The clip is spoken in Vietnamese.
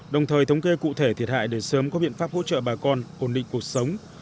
đồng thời thống kê cụ thể thiệt hại để sớm có biện pháp hỗ trợ bà con ổn định cuộc sống